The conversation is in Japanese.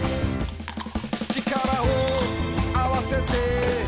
「力をあわせて」